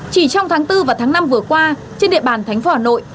chỉ trong tháng bốn và tháng năm vừa qua trên địa bàn thành phố hà nội